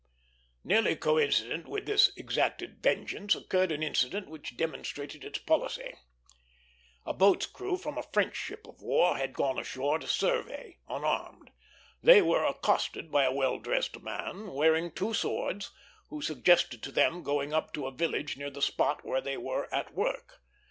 Nearly coincident with this exacted vengeance occurred an incident which demonstrated its policy. A boat's crew from a French ship of war had gone ashore to survey, unarmed. They were accosted by a well dressed man, wearing two swords, who suggested to them going up to a village near the spot where they were at work.